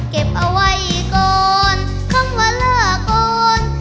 เก็บเอาไว้ก่อนข้องว่าลาก่อน